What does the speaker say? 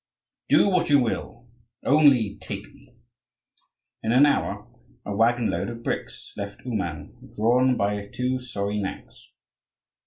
"Do what you will, only take me!" In an hour, a waggon load of bricks left Ouman, drawn by two sorry nags.